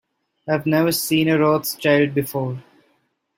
I have never seen a Rothschild before.